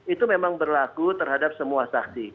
itu memang berlaku terhadap semua saksi